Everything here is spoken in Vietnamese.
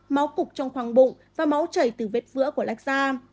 máu cục trong khoang bụng và máu chảy từ vết vữa của lách da